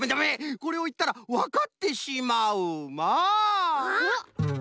これをいったらわかってシマウマ！